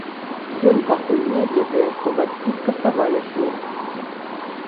Ён пакуль не ведае, што бацькі скасавалі шлюб.